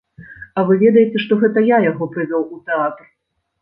А вы ведаеце, што гэта я яго прывёў у тэатр?